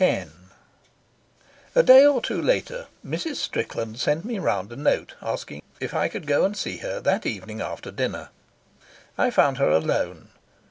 Chapter X A day or two later Mrs. Strickland sent me round a note asking if I could go and see her that evening after dinner. I found her alone.